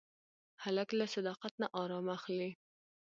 هلک له صداقت نه ارام اخلي.